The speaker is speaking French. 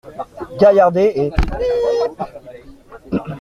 Gaillardet et ***.